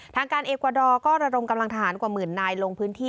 ทางการเอกวาดอร์ก็ระดมกำลังทหารกว่าหมื่นนายลงพื้นที่